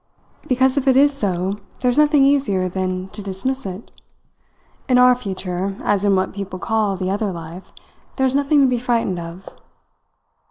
"Because if it is so there is nothing easier than to dismiss it. In our future, as in what people call the other life, there is nothing to be frightened of."